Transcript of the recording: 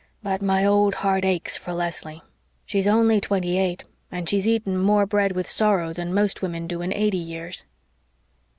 But my old heart aches for Leslie. She's only twenty eight and she's eaten more bread with sorrow than most women do in eighty years."